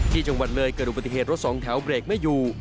ที่จังหวัดเลยเกิดอุบัติเหตุรถสองแถวเบรกไม่อยู่